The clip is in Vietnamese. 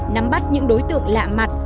nắm bắt những đối tượng lạ mặt